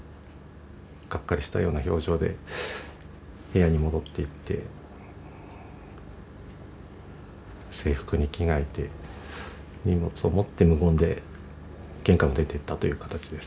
がっかりしたような表情で部屋に戻っていって制服に着替えて荷物を持って無言で玄関を出ていったという形です。